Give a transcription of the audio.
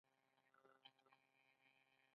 عصري تعلیم مهم دی ځکه چې د فشار مدیریت لارې ورکوي.